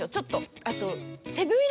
あと。